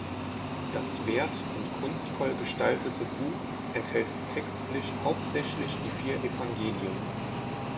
Das wert- und kunstvoll gestaltete Buch enthält textlich hauptsächlich die vier Evangelien.